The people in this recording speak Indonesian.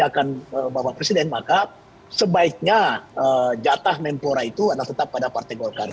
tapi ini partai golkar